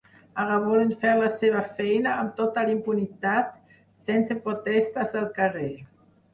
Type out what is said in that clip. Ara volen fer la seva feina amb total impunitat, sense protestes al carrer.